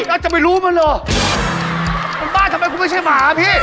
น่าจะไม่รู้มันหรอหมาบ้าทำไมคุณไม่ใช่หมาพี่